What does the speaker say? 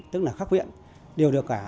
cũng là khắc quyện đều được cả